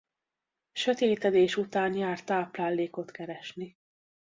Sötétedés után jár táplálékot keresni.